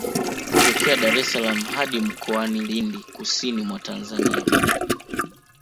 Kutokea Dar es salaam hadi mkoani Lindi kusini mwa Tanzania